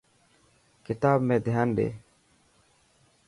ڪتاب ۾ ڌيان ڏي.